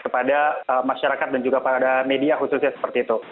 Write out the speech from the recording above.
kepada masyarakat dan juga pada media khususnya seperti itu